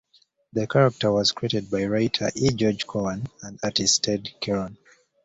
The character was created by writer E. George Cowan and artist Ted Kearon.